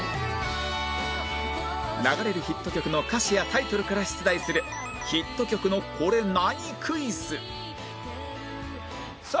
流れるヒット曲の歌詞やタイトルから出題するヒット曲のこれ何クイズさあ